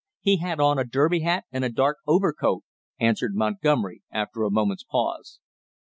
"He had on a derby hat and a dark overcoat," answered Montgomery after a moment's pause.